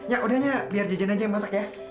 ya udah ya biar jejen aja yang masak ya